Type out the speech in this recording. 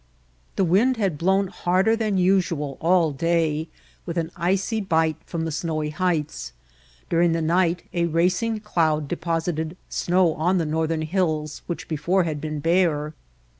The wind had blown harder than usual all day with an icy bite from the snowy heights. Dur ing the night a racing cloud deposited snow on the northern hills which before had been bare.